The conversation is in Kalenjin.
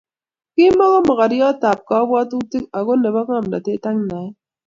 Kimuko mogoriotab kabwatutik ako nebo ngomnatet ak naet